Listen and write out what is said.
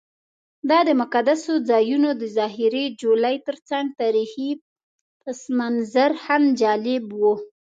دا د مقدسو ځایونو د ظاهري جولې ترڅنګ تاریخي پسمنظر هم جالب و.